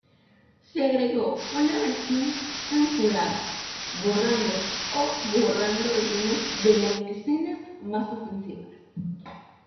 Se agregó una versión censurada, borrando o borrando algunas de las escenas más ofensivas.